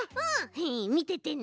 へへみててね。